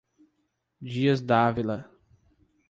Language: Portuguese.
Dias d'Ávila